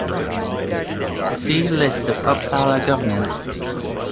See List of Uppsala Governors.